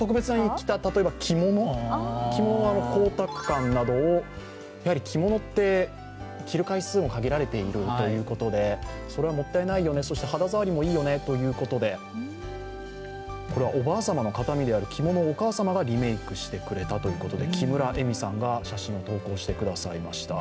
例えば着物の光沢感などを、やはり着物って着る回数も限られているということで、それはもったいないよね、肌触りもいいよねということでこれはおばあさまの形見である着物をお母様がリメークしてくれたという、木村恵巳さんが写真を投稿してくださいました。